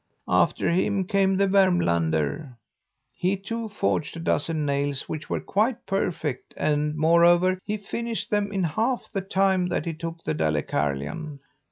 After him came the Vermlander. He, too, forged a dozen nails, which were quite perfect and, moreover, he finished them in half the time that it took the Dalecarlian.